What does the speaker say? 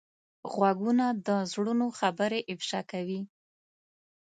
غوږونه د زړونو خبرې افشا کوي